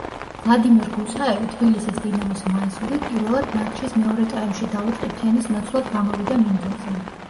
ვლადიმერ გუცაევი თბილისის „დინამოს“ მაისურით პირველად მატჩის მეორე ტაიმში დავით ყიფიანის ნაცვლად გამოვიდა მინდორზე.